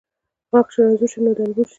غاښ چې رنځور شي ، نور د انبور شي .